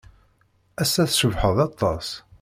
Ass-a, tcebḥed aṭas.